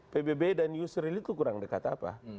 pbb dan yusril itu kurang dekat apa